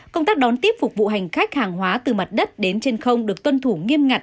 công tác đón tiếp phục vụ hành khách hàng hóa từ mặt đất đến trên không được tuân thủ nghiêm ngặt